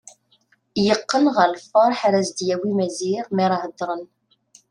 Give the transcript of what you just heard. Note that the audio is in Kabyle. Yeqqen ɣer lferḥ ara s-d-yawi Maziɣ mi ara heddren.